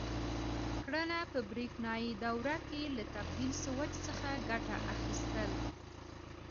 کړنه: په برېښنایي دوره کې له تبدیل سویچ څخه ګټه اخیستل: